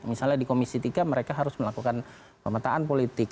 misalnya di komisi tiga mereka harus melakukan pemetaan politik